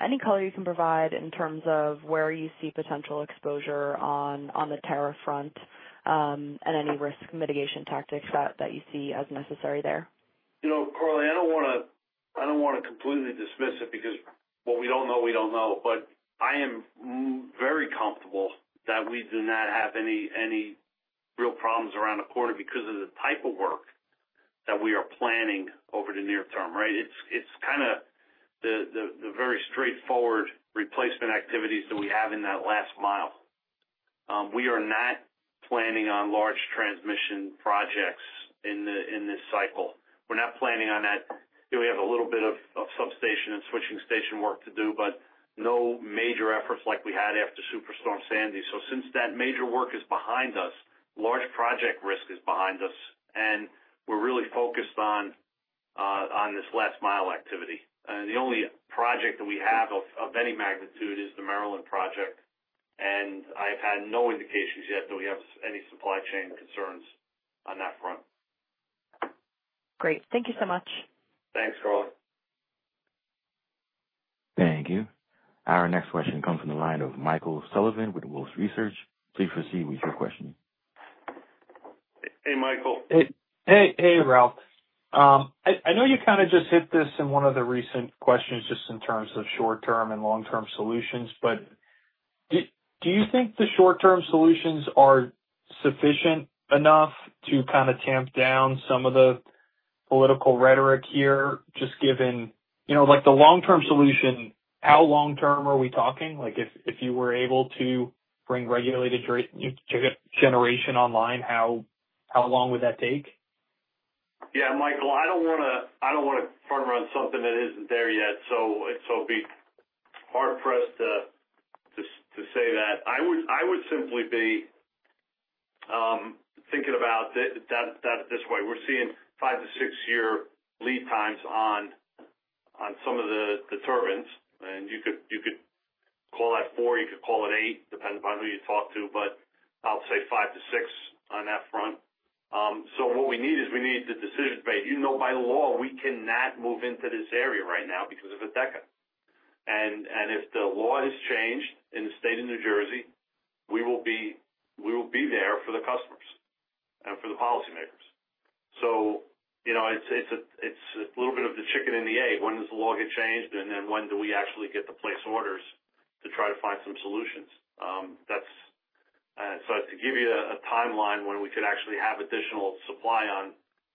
any color you can provide in terms of where you see potential exposure on the tariff front and any risk mitigation tactics that you see as necessary there? Carly, I do not want to completely dismiss it because what we do not know, we do not know. I am very comfortable that we do not have any real problems around the corner because of the type of work that we are planning over the near term, right? It is kind of the very straightforward replacement activities that we have in that last mile. We are not planning on large transmission projects in this cycle. We are not planning on that. We have a little bit of substation and switching station work to do, but no major efforts like we had after Superstorm Sandy. Since that major work is behind us, large project risk is behind us. We are really focused on this last mile activity. The only project that we have of any magnitude is the Maryland project. I've had no indications yet that we have any supply chain concerns on that front. Great. Thank you so much. Thanks, Carly. Thank you. Our next question comes from the line of Michael Sullivan with Wolff Research. Please proceed with your question. Hey, Michael. Hey, Ralph. I know you kind of just hit this in one of the recent questions just in terms of short-term and long-term solutions, but do you think the short-term solutions are sufficient enough to kind of tamp down some of the political rhetoric here just given the long-term solution? How long-term are we talking? If you were able to bring regulated generation online, how long would that take? Yeah, Michael, I don't want to turn around something that isn't there yet. It'd be hard for us to say that. I would simply be thinking about that this way. We're seeing five- to six-year lead times on some of the turbines. You could call that four. You could call it eight, depending upon who you talk to. I'll say five to six on that front. What we need is we need the decision to be made. By law, we cannot move into this area right now because of Hideca. If the law is changed in the state of New Jersey, we will be there for the customers and for the policymakers. It's a little bit of the chicken and the egg. When does the law get changed? When do we actually get to place orders to try to find some solutions? To give you a timeline when we could actually have additional supply on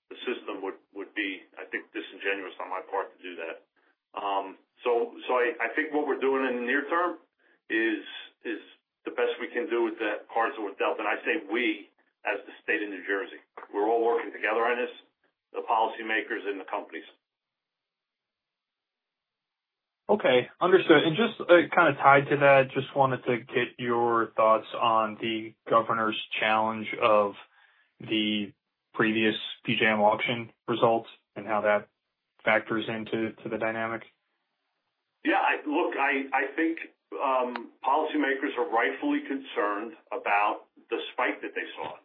the system would be, I think, disingenuous on my part to do that. I think what we're doing in the near term is the best we can do with that parts that were dealt in. I say we as the state of New Jersey. We're all working together on this, the policymakers and the companies. Okay. Understood. Just kind of tied to that, just wanted to get your thoughts on the governor's challenge of the previous PJM auction results and how that factors into the dynamic. Yeah. Look, I think policymakers are rightfully concerned about the spike that they saw.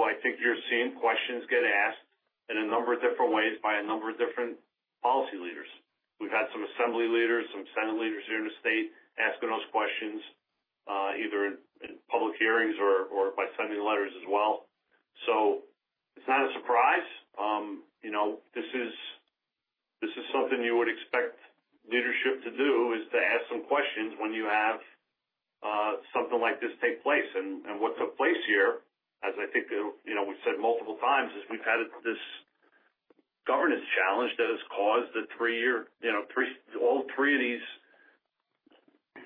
I think you're seeing questions get asked in a number of different ways by a number of different policy leaders. We've had some assembly leaders, some senate leaders here in the state asking those questions either in public hearings or by sending letters as well. It is not a surprise. This is something you would expect leadership to do is to ask some questions when you have something like this take place. What took place here, as I think we've said multiple times, is we've had this governance challenge that has caused all three of these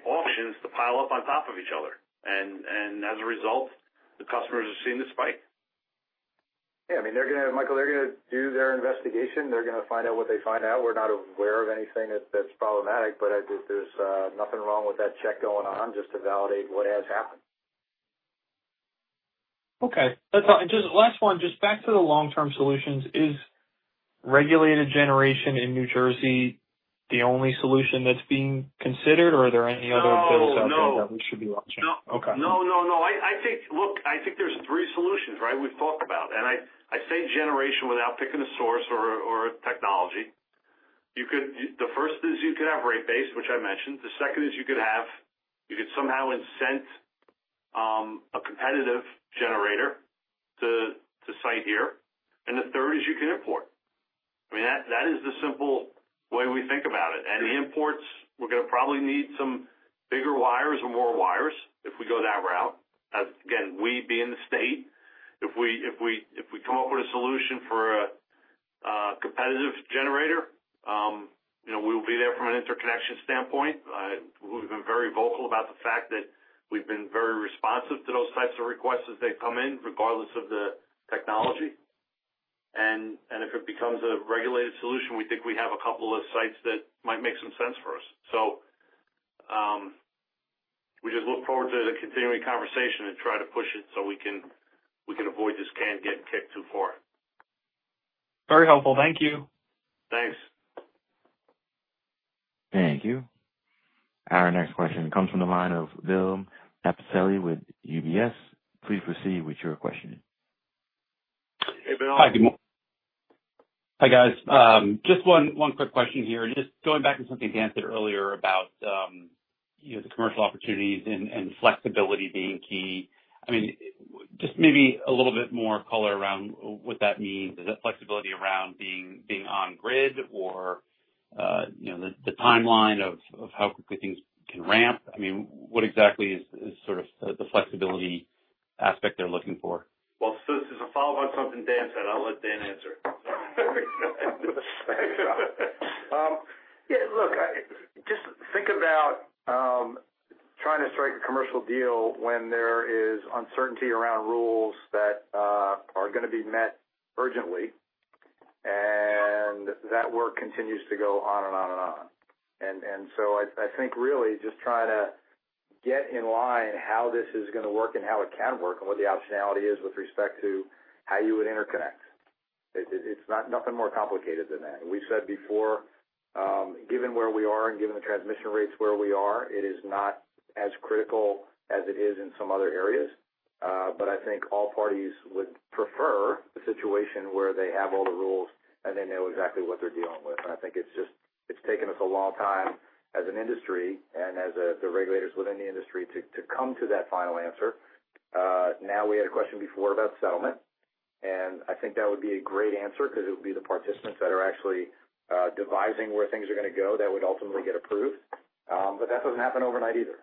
auctions to pile up on top of each other. As a result, the customers are seeing the spike. Yeah. I mean, Michael, they're going to do their investigation. They're going to find out what they find out. We're not aware of anything that's problematic. There's nothing wrong with that check going on just to validate what has happened. Okay. Just last one. Just back to the long-term solutions. Is regulated generation in New Jersey the only solution that's being considered? Or are there any other bills out there that we should be watching? No. No. No. No. I think, look, I think there are three solutions, right, we have talked about. I say generation without picking a source or a technology. The first is you could have rate base, which I mentioned. The second is you could somehow incent a competitive generator to site here. The third is you can import. I mean, that is the simple way we think about it. The imports, we are going to probably need some bigger wires or more wires if we go that route. We, being the state, if we come up with a solution for a competitive generator, we will be there from an interconnection standpoint. We have been very vocal about the fact that we have been very responsive to those types of requests as they come in, regardless of the technology. If it becomes a regulated solution, we think we have a couple of sites that might make some sense for us. We just look forward to the continuing conversation and try to push it so we can avoid this can getting kicked too far. Very helpful. Thank you. Thanks. Thank you. Our next question comes from the line of Bill Appicelli with UBS. Please proceed with your question. Hey, Bill. Hi, guys. Just one quick question here. Just going back to something Dan said earlier about the commercial opportunities and flexibility being key. I mean, just maybe a little bit more color around what that means. Is that flexibility around being on-grid or the timeline of how quickly things can ramp? I mean, what exactly is sort of the flexibility aspect they're looking for? Since this is a follow-up on something Dan said, I'll let Dan answer. Yeah. Look, just think about trying to strike a commercial deal when there is uncertainty around rules that are going to be met urgently and that work continues to go on and on and on. I think really just trying to get in line how this is going to work and how it can work and what the optionality is with respect to how you would interconnect. It's nothing more complicated than that. We've said before, given where we are and given the transmission rates where we are, it is not as critical as it is in some other areas. I think all parties would prefer a situation where they have all the rules and they know exactly what they're dealing with. I think it's taken us a long time as an industry and as the regulators within the industry to come to that final answer. Now we had a question before about settlement. I think that would be a great answer because it would be the participants that are actually devising where things are going to go that would ultimately get approved. That does not happen overnight either.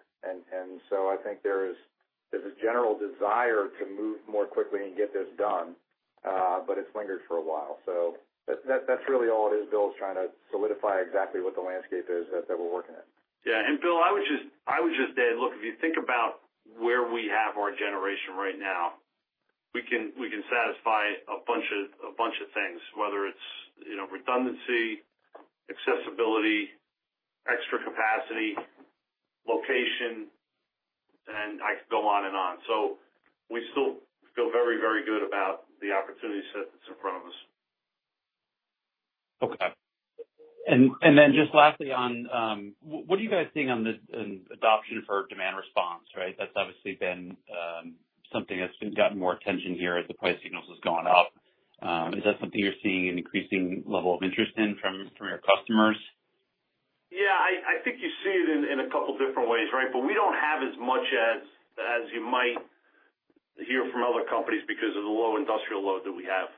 I think there is this general desire to move more quickly and get this done, but it has lingered for a while. That is really all it is. Bill is trying to solidify exactly what the landscape is that we are working at. Yeah. Bill, I would just add, look, if you think about where we have our generation right now, we can satisfy a bunch of things, whether it's redundancy, accessibility, extra capacity, location, and I could go on and on. We still feel very, very good about the opportunity set that's in front of us. Okay. And then just lastly, what are you guys seeing on adoption for demand response, right? That's obviously been something that's gotten more attention here as the price signals is going up. Is that something you're seeing an increasing level of interest in from your customers? Yeah. I think you see it in a couple of different ways, right? We do not have as much as you might hear from other companies because of the low industrial load that we have.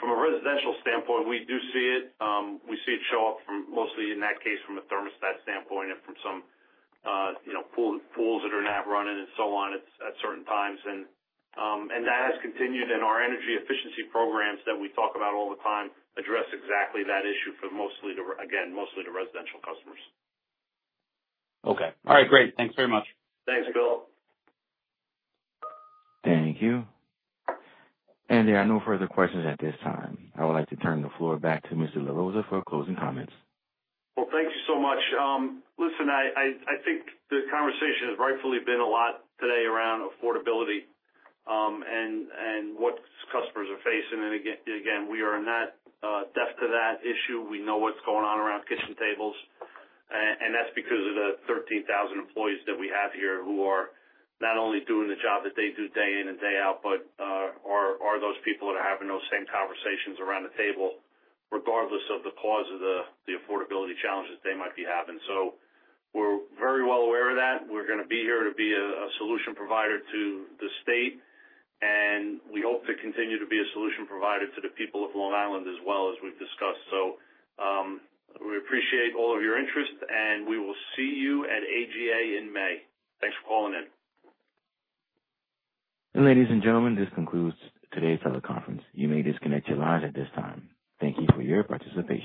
From a residential standpoint, we do see it. We see it show up mostly in that case from a thermostat standpoint and from some pools that are not running and so on at certain times. That has continued. Our energy efficiency programs that we talk about all the time address exactly that issue for mostly, again, mostly to residential customers. Okay. All right. Great. Thanks very much. Thanks, Bill. Thank you. There are no further questions at this time. I would like to turn the floor back to Mr. LaRossa for closing comments. Thank you so much. I think the conversation has rightfully been a lot today around affordability and what customers are facing. Again, we are not deaf to that issue. We know what's going on around kitchen tables. That is because of the 13,000 employees that we have here who are not only doing the job that they do day in and day out, but are those people that are having those same conversations around the table, regardless of the cause of the affordability challenges they might be having. We are very well aware of that. We are going to be here to be a solution provider to the state. We hope to continue to be a solution provider to the people of Long Island as well as we have discussed. We appreciate all of your interest. We will see you at AGA in May. Thanks for calling in. Ladies and gentlemen, this concludes today's teleconference. You may disconnect your lines at this time. Thank you for your participation.